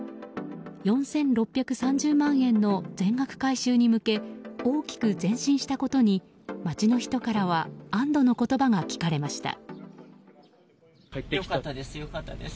４６３０万円の全額回収に向け大きく前進したことに町の人からは安堵の言葉が聞かれました。